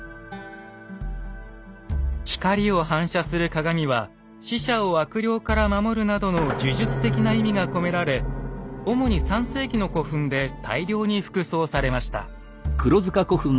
光を反射する鏡は死者を悪霊から守るなどの呪術的な意味が込められ主に３世紀の古墳で大量に副葬されました。